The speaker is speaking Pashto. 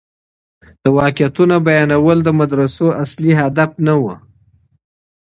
د واقعيتونو بيانول د مدرسو اصلي هدف نه و.